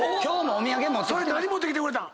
それ何持ってきてくれた？